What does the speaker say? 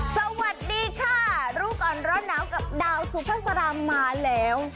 สวัสดีค่ะลูกอ่อนร้อนหนาวกับดาวซูเปอร์สารามมาแล้ว